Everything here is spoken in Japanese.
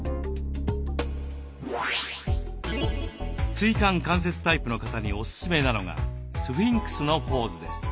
椎間関節タイプの方におすすめなのがスフィンクスのポーズです。